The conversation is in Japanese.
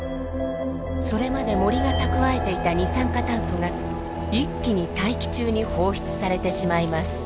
それまで森が蓄えていた二酸化炭素が一気に大気中に放出されてしまいます。